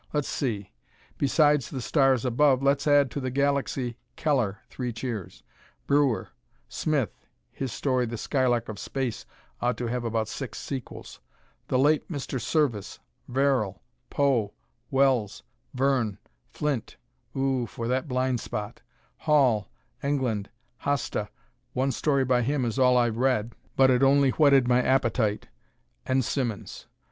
Let's see; besides the stars above, let's add to the galaxy Keller (three cheers), Breuer, Smith (his story, "The Skylark of Space," ought to have about six sequels), the late Mr. Serviss, Verrill, Poe, Wells, Verne, Flint (o o oh, for that "Blind Spot"), Hall, England, Hasta (one story by him is all I've read, but it only whetted my appetite), and Simmons.